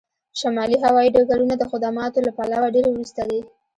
شمالي هوایی ډګرونه د خدماتو له پلوه ډیر وروسته دي